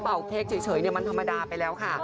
เค้กเฉยมันธรรมดาไปแล้วค่ะ